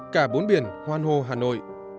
cả bốn biển hoan hô hà nội